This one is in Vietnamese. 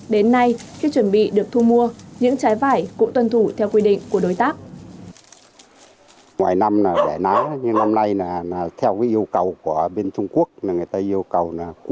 đến nay khi chuẩn bị được thu mua những trái vải cũng tuân thủ theo quy định của đối tác